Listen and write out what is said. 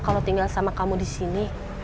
kalau tinggal sama kamu disini